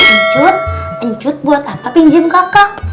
encut encut buat apa pinjim kakak